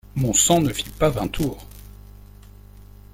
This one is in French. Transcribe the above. Mon sang ne fit pas vingt tours.